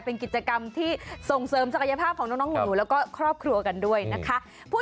เป็นกิจกรรมที่ส่งเสริมศักยภาพของน้องหนูแล้วก็ครอบครัวกันด้วยนะคะ